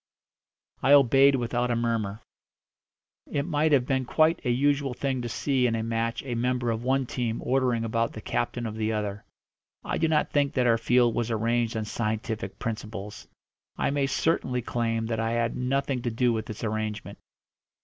I obeyed without a murmur. It might have been quite a usual thing to see in a match a member of one team ordering about the captain of the other. I do not think that our field was arranged on scientific principles; I may certainly claim that I had nothing to do with its arrangement.